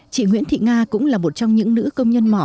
chị nguyễn thị nga cũng là một trong những nữ công nhân mỏ